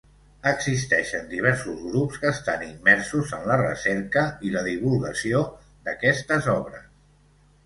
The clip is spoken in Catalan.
Existeixen diversos grups que estan immersos en la recerca i la divulgació d'aquestes obres.